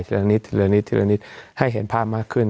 เทียนนิตให้เห็นภาพมากขึ้น